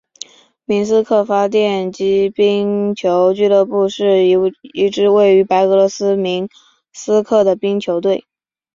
明斯克发电机冰球俱乐部是一支位于白俄罗斯明斯克的冰球队。